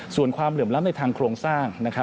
ส่วนความเหลื่อมล้ำในทางโครงสร้าง